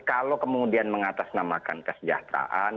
kalau kemudian mengatasnamakan kesejahteraan